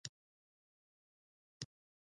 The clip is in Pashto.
پوځیانو ته امر وکړ.